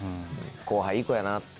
後輩いい子やなって。